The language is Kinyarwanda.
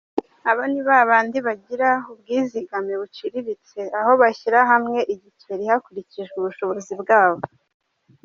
Abo ni babandi bagira ubwizigame buciriritse, aho bashyira hamwe igiceri hakurikijwe ubushobozi bwabo”.